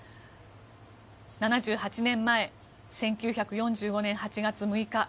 ７８年前、１９４５年８月６日